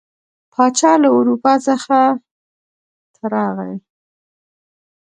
پاچا له اروپا څخه ته راغی.